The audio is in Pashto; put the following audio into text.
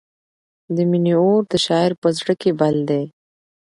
د مینې اور د شاعر په زړه کې بل دی.